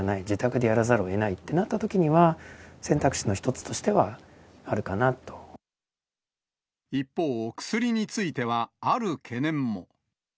自宅でやらざるをえないとなったときには、選択肢の一つとしては一方、薬については、ある懸念も。